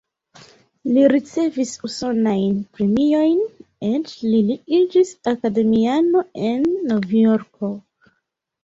Li ricevis usonajn premiojn, eĉ li iĝis akademiano en Novjorko.